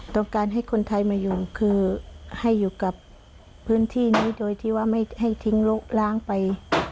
ต้องการให้คนไทยมาอยู่คือให้อยู่กับพื้นที่นี้โดยที่ว่าไม่ให้ทิ้งลกล้างไป